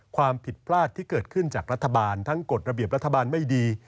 ความผิดพลาดที่เกิดขึ้นจากรัฐบาลทั้งกฎระเบียบรัฐบาลไม่ดี